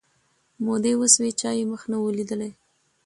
مودې وسوې چا یې مخ نه وو لیدلی